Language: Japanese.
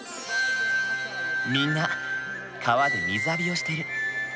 みんな川で水浴びをしてる。